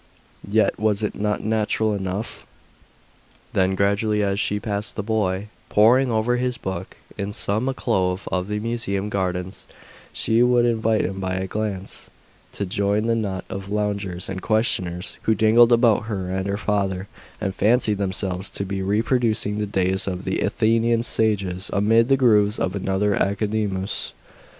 Yet was it not natural enough? Then, gradually, as she passed the boy, poring over his book, in some alcove of the Museum Gardens, she would invite him by a glance to join the knot of loungers and questioners who dangled about her and her father, and fancied themselves to be reproducing the days of the Athenian sages amid the groves of another Academus.